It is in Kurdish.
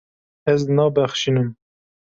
Ez nabexşînim.